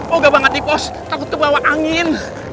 poga banget di pos takut ke bawah angin